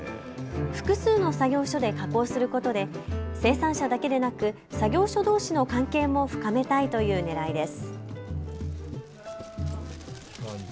複数の作業所で加工することで生産者だけでなく作業所どうしの関係も深めたいというねらいです。